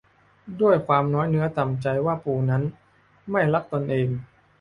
ด้วยความน้อยเนื้อต่ำใจว่าปู่นั้นไม่รักตนเอง